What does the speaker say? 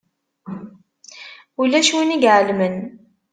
Ulac win i iɛelmen.